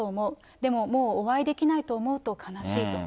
でももうお会いできないと思うと悲しいと。